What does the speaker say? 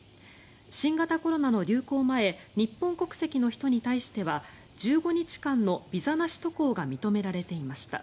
新型コロナの流行前日本国籍の人に対しては１５日間のビザなし渡航が認められていました。